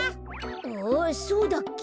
あっそうだっけ？